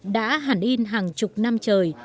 đã hẳn in hàng chục năm trời